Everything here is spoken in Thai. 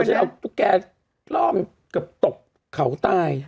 ผมกลัวจะเอาทุกแกร้นล่อมกับตกเข่าตาย